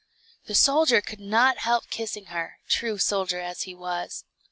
The soldier could not help kissing her, true soldier as he was.